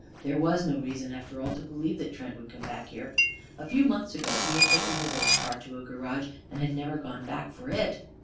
There was no reason, after all, to believe that Trent would come back here. A few months ago he had taken his old car to a garage and had never gone back for it.